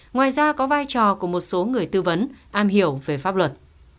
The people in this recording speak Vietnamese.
ngoài ra có vai trò của một số người tư vấn am hiểu về pháp luật